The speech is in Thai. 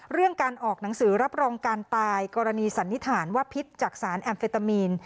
เรื่องการออกหนังสือรับรองการตายกรณีสันนิษฐานว่าพิษจากสารแอมเฟตามีน